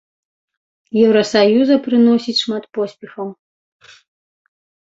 Еўрасаюза прыносіць шмат поспехаў.